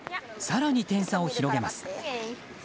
更に、点差を広げます。